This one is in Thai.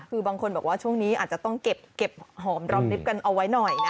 คือบางคนบอกว่าช่วงนี้อาจจะต้องเก็บหอมรอมริบกันเอาไว้หน่อยนะ